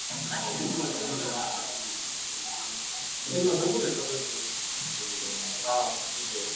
Intensive aquaculture has brought humans in conflict with fish-eating birds such as cormorants.